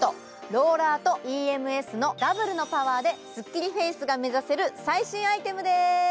ローラーとＥＭＳのダブルのパワーでスッキリフェイスが目指せる最新アイテムです。